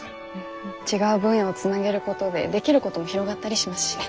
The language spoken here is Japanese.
違う分野をつなげることでできることも広がったりしますしね。